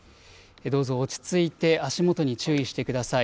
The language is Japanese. どうぞ落ち着いて足元に注意してください。